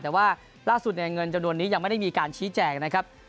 แต่ว่าล่าสุดเนี่ยเงินจำนวนนี้ยังไม่ได้มีการชี้แจงนะครับ